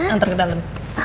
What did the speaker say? antar ke dalam